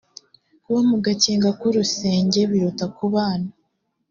kuba mu gakinga k urusenge biruta kubana